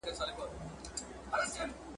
ګل به ایښی پر ګرېوان وی ته به یې او زه به نه یم `